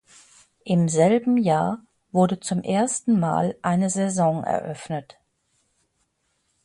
Im selben Jahr wurde zum ersten Mal eine Saison eröffnet.